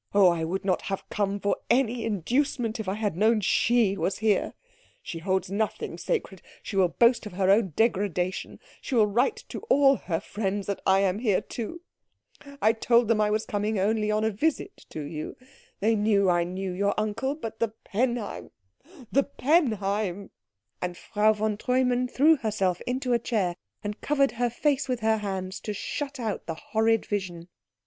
Oh, I would not have come for any inducement if I had known she was here! She holds nothing sacred, she will boast of her own degradation, she will write to all her friends that I am here too I told them I was coming only on a visit to you they knew I knew your uncle but the Penheim the Penheim " and Frau von Treumann threw herself into a chair and covered her face with her hands to shut out the horrid vision.